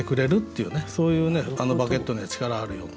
そういうバゲットには力あるよって。